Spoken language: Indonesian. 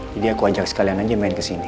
jadi aku ajak sekalian aja main ke sini